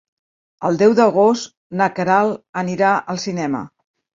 El deu d'agost na Queralt anirà al cinema.